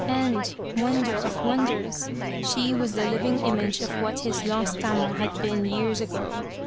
And wonder of wonders ! She was the living image of what his lost Tama had been years ago.